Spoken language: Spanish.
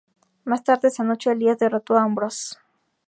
Más tarde esa noche, Elias derrotó a Ambrose.